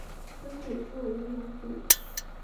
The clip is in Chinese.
曾祖父吴荣祖。